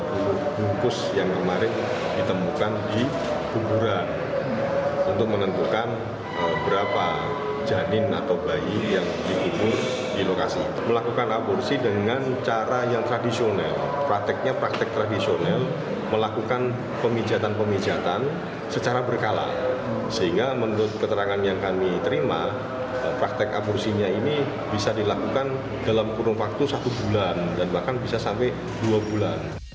sehingga menurut keterangan yang kami terima praktek aborsinya ini bisa dilakukan dalam kurung waktu satu bulan dan bahkan bisa sampai dua bulan